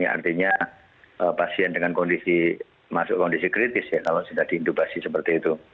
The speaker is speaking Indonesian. artinya pasien dengan kondisi masuk kondisi kritis ya kalau sudah diindubasi seperti itu